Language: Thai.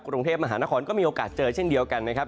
กรุงเทพมหานครก็มีโอกาสเจอเช่นเดียวกันนะครับ